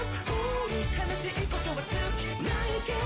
「悲しいことは尽き無いけど」